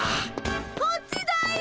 こっちだよ！